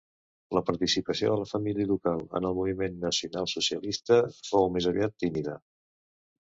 La participació de la família ducal en el moviment nacionalsocialista fou més aviat tímida.